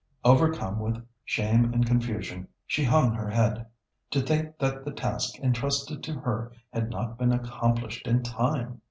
Overcome with shame and confusion she hung her head. To think that the task entrusted to her had not been accomplished in time!